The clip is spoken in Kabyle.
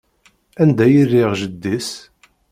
Anda i rriɣ jeddi-s?